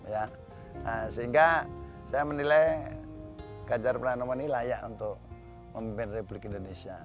ya sehingga saya menilai ganjar pranowo ini layak untuk memimpin republik indonesia